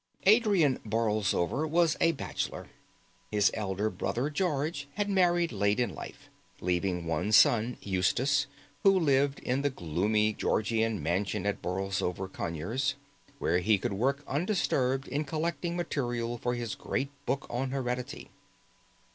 I Adrian Borlsover was a bachelor. His elder brother George had married late in life, leaving one son, Eustace, who lived in the gloomy Georgian mansion at Borlsover Conyers, where he could work undisturbed in collecting material for his great book on heredity.